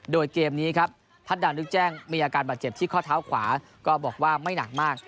โดยเกมนี้ครับทัศดานลึกแจ้งมีอาการบาดเจ็บที่ข้อเท้าขวาก็บอกว่าไม่หนักมาก